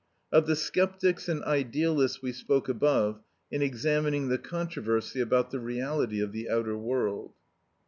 Of the Sceptics and Idealists we spoke above, in examining the controversy about the reality of the outer world.